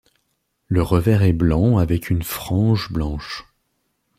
Le revers est blanc avec une frange blanche.